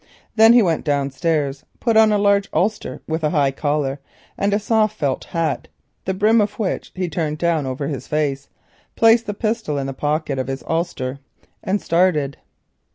Then he went downstairs, put on a large ulster with a high collar, and a soft felt hat, the brim of which he turned down over his face, placed the pistol in the pocket of his ulster, and started.